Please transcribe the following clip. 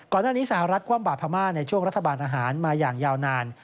ก่อนหน้านี้สหรัฐคว่ำบาดพม่าในช่วงรัฐบาลอาหารมาอย่างยาวนาน